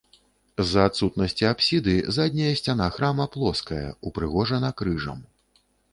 З-за адсутнасці апсіды задняя сцяна храма плоская, упрыгожана крыжам.